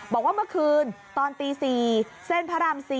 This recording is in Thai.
บอกว่าเมื่อคืนตอนตี๔เส้นพระราม๔